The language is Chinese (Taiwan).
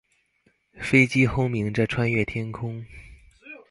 飛機轟鳴著穿越天空